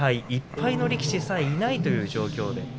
１敗の力士さえいないという状況です。